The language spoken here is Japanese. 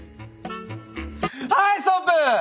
はいストップ！